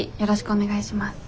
お願いします。